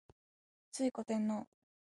推古天皇